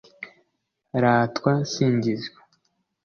ratwa singizwa